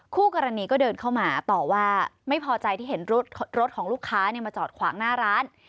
คู่กรณีก็เดินเข้ามาต่อว่าไม่พอใจที่เห็นรถของลูกค้ามาจอดขวางหน้าร้าน